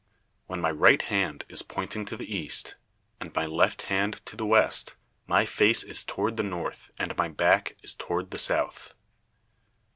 When my right hand is pointing to the east, and my left hand to the west, my face is toward the north and my back is toward the south.